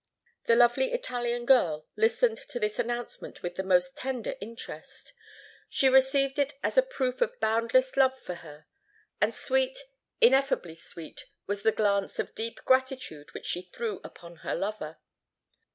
The lovely Italian girl listened to this announcement with the most tender interest. She received it as a proof of boundless love for her; and sweet—ineffably sweet was the glance of deep gratitude which she threw upon her lover.